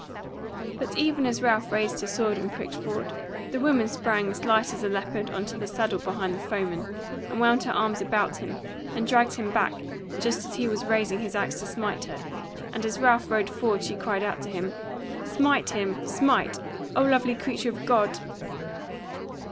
But even as Ralph raised his sword and pricked forward, the woman sprang as light as a leopard on to the saddle behind the foeman, and wound her arms about him and dragged him back just as he was raising his axe to smite her, and as Ralph rode forward she cried out to him, "Smite him, smite! O lovely creature of God!"